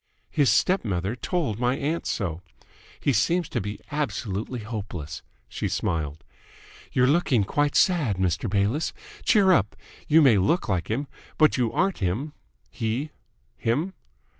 His step mother told my aunt so. He seems to be absolutely hopeless." She smiled. "You're looking quite sad, Mr. Bayliss. Cheer up! You may look like him, but you aren't him he? him?